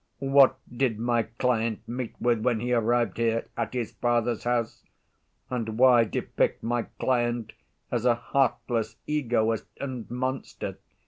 What did my client meet with when he arrived here, at his father's house, and why depict my client as a heartless egoist and monster?